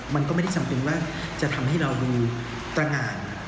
มันก็ไม่ได้จำเป็นว่าจะทำให้เราดูตรงาน